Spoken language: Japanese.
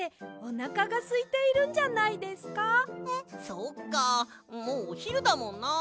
そっかもうおひるだもんな！